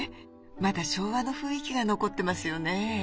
まだ昭和の雰囲気が残ってますよね。